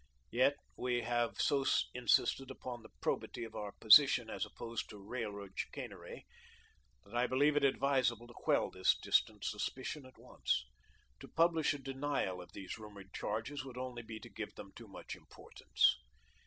Yet we have so insisted upon the probity of our position as opposed to Railroad chicanery, that I believe it advisable to quell this distant suspicion at once; to publish a denial of these rumoured charges would only be to give them too much importance.